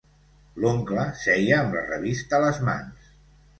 L'oncle seia amb la revista a les mans.